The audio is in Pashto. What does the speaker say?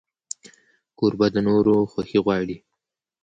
کوربه د نورو خوښي غواړي.